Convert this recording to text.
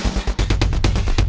gak ada apa apa